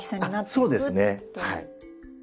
そうですねはい。